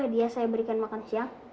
boleh dia saya berikan makan siang